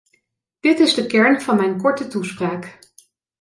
Dit is de kern van mijn korte toespraak.